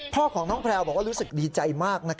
พ่อของลูกสาวแพลวบอกว่ารู้สึกภาษาดีใจมาก